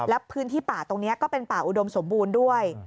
แล้วพื้นที่ป่าตรงนี้ก็เป็นป่าอุดมสมบูรณ์ด้วย